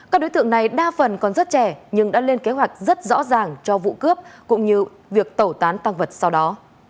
các đối tượng này đa phần còn rất trẻ nhưng đã lên kế hoạch rất rõ ràng cho vụ cướp cũng như việc tẩu tán tăng vật sau đó